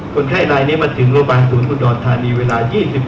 คนไข้รายนี้มาถึงโรงพยาบาลศูนย์อุดรธานีเวลา๒๐